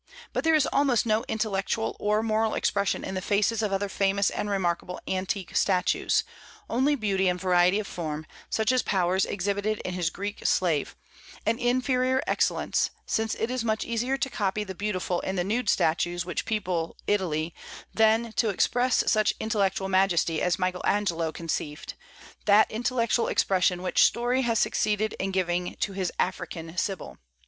But there is almost no intellectual or moral expression in the faces of other famous and remarkable antique statues, only beauty and variety of form, such as Powers exhibited in his Greek Slave, an inferior excellence, since it is much easier to copy the beautiful in the nude statues which people Italy, than to express such intellectual majesty as Michael Angelo conceived that intellectual expression which Story has succeeded in giving to his African Sibyl.